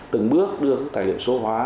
từng bước đưa các tài liệu số hóa